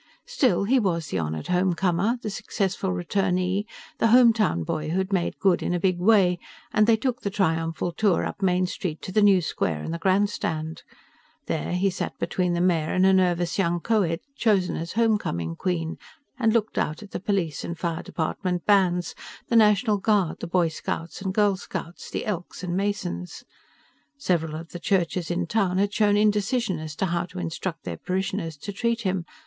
Still, he was the honored home comer, the successful returnee, the hometown boy who had made good in a big way, and they took the triumphal tour up Main Street to the new square and the grandstand. There he sat between the mayor and a nervous young coed chosen as homecoming queen, and looked out at the police and fire department bands, the National Guard, the boy scouts and girl scouts, the Elks and Masons. Several of the churches in town had shown indecision as to how to instruct their parishioners to treat him.